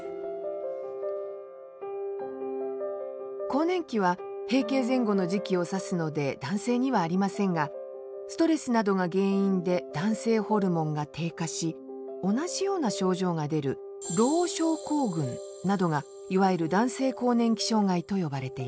更年期は閉経前後の時期を指すので男性にはありませんがストレスなどが原因で男性ホルモンが低下し同じような症状が出るＬＯＨ症候群などがいわゆる男性更年期障害と呼ばれています。